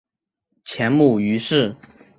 前母俞氏。